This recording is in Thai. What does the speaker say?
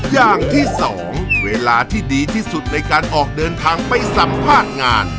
อย่างที่สองเวลาที่ดีที่สุดในการออกเดินทางไปสัมภาษณ์งาน